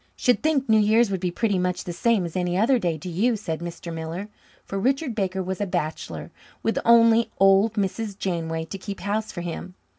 "Should think New Year's would be pretty much the same as any other day to you," said Mr. Miller, for Richard Baker was a bachelor, with only old Mrs. Janeway to keep house for him.